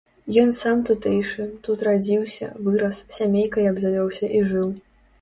Ён сам тутэйшы, тут радзіўся, вырас, сямейкай абзавёўся і жыў.